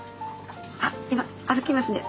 あっ今歩きますね。